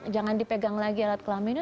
jangan dipegang lagi alat kelaminnya